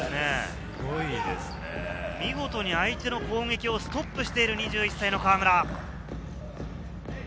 見事に相手の攻撃をストップしている２１歳の河村。